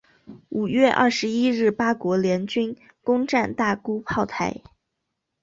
五月二十一日八国联军攻战大沽炮台。